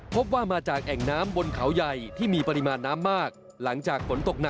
พบว่ามาจากแอ่งน้ำบนเขาใหญ่ที่มีปริมาณน้ำมาก